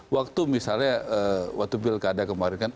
waktu misalnya waktu pilkada kemarin kan